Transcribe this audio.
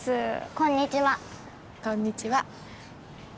こんにちは。